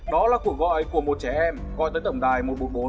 đó là cuộc gọi của một trẻ em gọi tới tổng đài một trăm một mươi bốn